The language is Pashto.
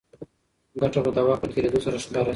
ګټه به د وخت په تېرېدو سره ښکاره شي.